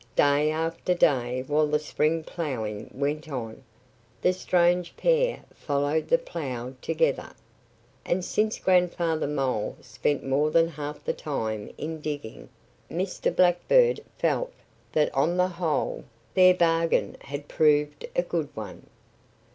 Day after day while the spring ploughing went on, the strange pair followed the plough together. And since Grandfather Mole spent more than half the time in digging, Mr. Blackbird felt that on the whole their bargain had proved a good one.